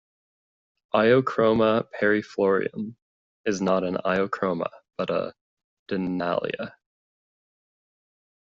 "Iochroma parviflorum" is not an "Iochroma" but a "Dunalia".